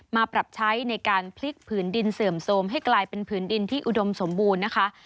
มาปรับใช้ในการพลิกผืนดินเสื่อมโทรมให้กลายเป็นผืนดินที่อุดมสมบูรณ์นะคะ